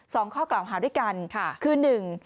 ข้อกล่าวหาด้วยกันค่ะคือหนึ่ง